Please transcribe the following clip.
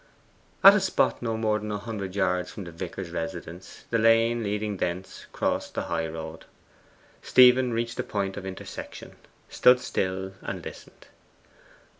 At a spot not more than a hundred yards from the vicar's residence the lane leading thence crossed the high road. Stephen reached the point of intersection, stood still and listened.